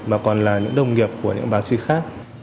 mà còn là những đồng nghiệp của những báo chí khác